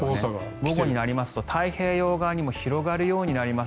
午後になりますと、太平洋側にも広がるようになります。